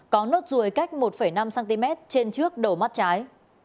có nốt ruồi cách một năm cm trên trước đầu mắt trái